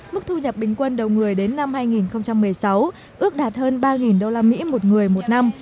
mức thu nhập bình quân đầu người đến năm hai nghìn một mươi sáu ước đạt hơn ba usd một người một năm